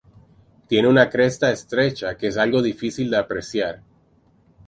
Tiene una cresta estrecha que es algo difícil de apreciar.